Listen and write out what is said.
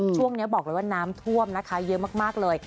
ช่วงนี้บอกเลยว่าน้ำท่วมนะคะเยอะมากเลย